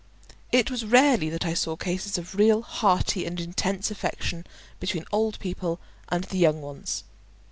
It was rarely that I saw cases of real hearty and intense affection between the old people and the young ones.